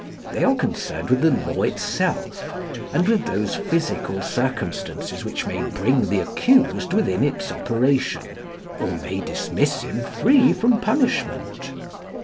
They are concerned with the law itself, and with those physical circumstances which may bring the accused within its operation, or may dismiss him free from punishment.